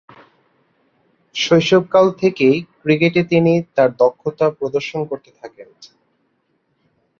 শৈশবকাল থেকেই ক্রিকেটে তিনি তার দক্ষতা প্রদর্শন করতে থাকেন।